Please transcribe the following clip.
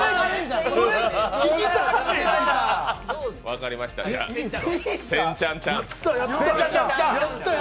分かりました、せんちゃんチャンス。